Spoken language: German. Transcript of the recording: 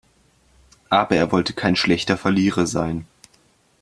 Aber er wollte kein schlechter Verlierer sein.